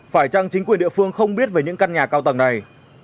phải chăng chính quyền địa phương không biết về những căn nhà cao tầng này